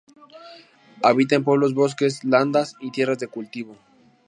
Habita en pueblos, bosques, landas y tierras de cultivo.